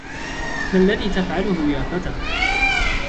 ما هذا الذي تفعله يا فتى؟